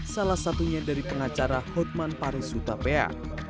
salah satunya dari pengacara hotman paris hutapea